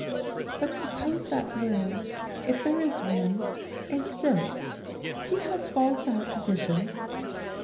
" But suppose that will — if there is one — exists, see how false our position!